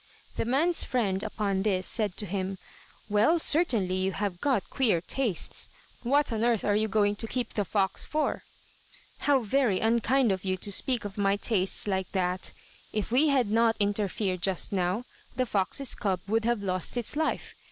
The man's friend, upon this, said to him: "Well, certainly you have got queer tastes. What on earth are you going to keep the fox for?" "How very unkind of you to speak of my tastes like that. If we had not interfered just now, the fox's cub would have lost its life.